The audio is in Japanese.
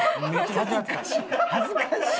「恥ずかしい」って。